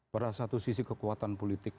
pada satu sisi kekuatan politik